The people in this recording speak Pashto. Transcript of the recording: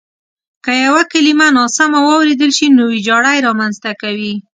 که یوه کلیمه ناسمه واورېدل شي نو وېجاړی رامنځته کوي.